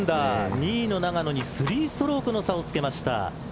２位の永野に３ストロークの差をつけました。